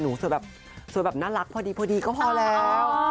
หนูสวยแบบน่ารักพอดีก็พอแล้ว